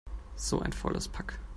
So ein faules Pack!